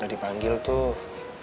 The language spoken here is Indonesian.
udah dipanggil tuh